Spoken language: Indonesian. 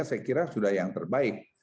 saya kira sudah yang terbaik